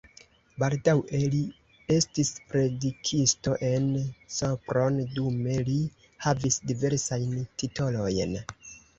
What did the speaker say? Baldaŭe li estis predikisto en Sopron, dume li havis diversajn titolojn.